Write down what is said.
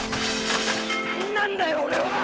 何なんだよ俺は！